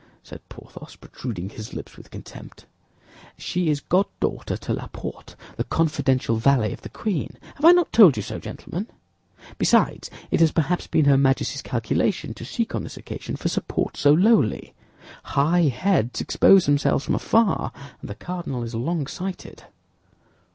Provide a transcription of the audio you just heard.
said Porthos, protruding his lips with contempt. "She is goddaughter to Laporte, the confidential valet of the queen. Have I not told you so, gentlemen? Besides, it has perhaps been her Majesty's calculation to seek on this occasion for support so lowly. High heads expose themselves from afar, and the cardinal is longsighted."